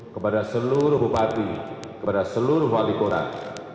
kepada seluruh bupati kepada seluruh wali kota